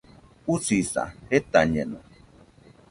Usisa, jetañeno